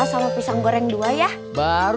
ya udah vu bre radar